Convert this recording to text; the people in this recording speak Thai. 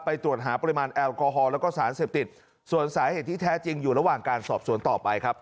ตรวจหาปริมาณแอลกอฮอลแล้วก็สารเสพติดส่วนสาเหตุที่แท้จริงอยู่ระหว่างการสอบสวนต่อไปครับ